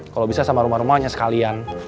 kalau bisa sama rumah rumahnya sekalian